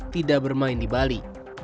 tidak bermain di bali